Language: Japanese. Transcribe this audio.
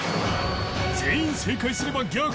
全員正解すれば逆転！